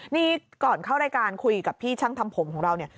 นี่ก่อนเข้ารายการคุยกับพี่ช่างทำผมของเราเนี่ย